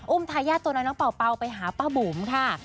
ทายาทตัวน้อยน้องเป่าไปหาป้าบุ๋มค่ะ